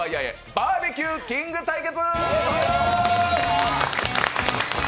バーベキューキング対決！